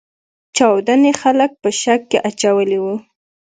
چاودنې خلګ په شک کې اچولي وو.